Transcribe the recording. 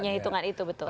punya hitungan itu betul